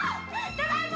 ただいま！